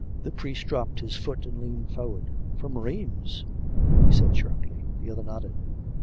The priest dropped his foot and leaned forward. " From Rheims ?" he said sharply. The other nodded.